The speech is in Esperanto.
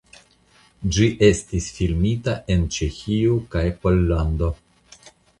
Ĝi estis filmita en Ĉeĥio kaj Pollando.